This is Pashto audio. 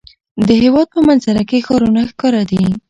د هېواد په منظره کې ښارونه ښکاره دي.